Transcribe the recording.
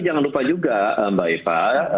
jangan lupa juga mbak eva